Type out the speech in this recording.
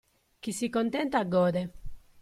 Chi si contenta gode.